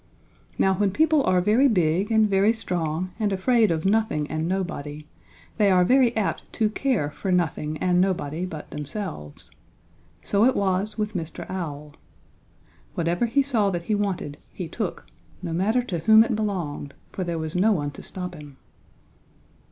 "Now when people are very big and very strong and afraid of nothing and nobody they are very apt to care for nothing and nobody but themselves. So it was with Mr. Owl. Whatever he saw that he wanted he took, no matter to whom it belonged, for there was no one to stop him.